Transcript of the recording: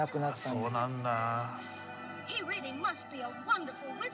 そうなんだ。